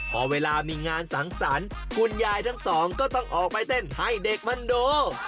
พอเวลามีงานสังสรรค์คุณยายทั้งสองก็ต้องออกไปเต้นให้เด็กมันดู